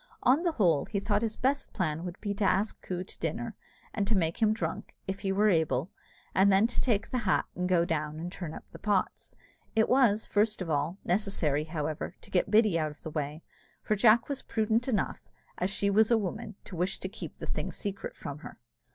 On the whole, he thought his best plan would be to ask Coo to dinner, and to make him drunk, if he was able, and then to take the hat and go down and turn up the pots. It was, first of all, necessary, however, to get Biddy out of the way; for Jack was prudent enough, as she was a woman, to wish to keep the thing secret from her.